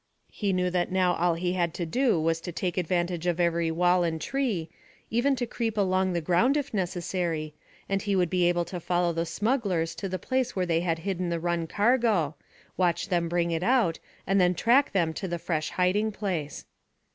He knew that now all he had to do was to take advantage of every wall and tree, even to creep along the ground if necessary, and he would be able to follow the smugglers to the place where they had hidden the run cargo, watch them bring it out, and then track them to the fresh hiding place.